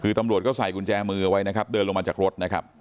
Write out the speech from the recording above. คือตำรวจก็ใส่กุญแจมือเอาไว้นะครับเดินลงมาจากรถนะครับ